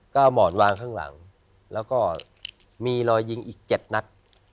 ก็เอาหมอนวางข้างหลังแล้วก็มีรอยยิงอีก๗นัด